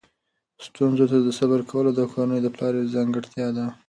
ستونزو ته صبر کول د کورنۍ د پلار یوه ځانګړتیا ده.